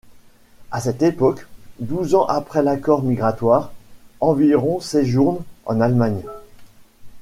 À cette époque, douze ans après l'accord migratoire, environ séjournent en Allemagne.